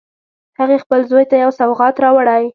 هغې خپل زوی ته یو سوغات راوړی